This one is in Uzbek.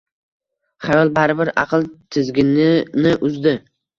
Xayol baribir aql tizginini uzdi.